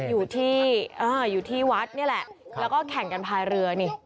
อยู่ที่อยู่ที่วัดนี่แหละแล้วก็แข่งกันพายเรือนี่